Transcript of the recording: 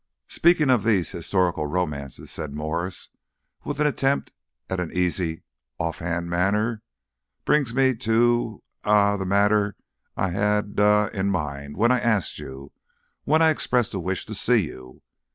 "Speaking of these historical romances," said Mwres, with an attempt at an easy, off hand manner, "brings me ah to the matter I ah had in mind when I asked you when I expressed a wish to see you."